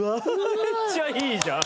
めっちゃいいじゃん。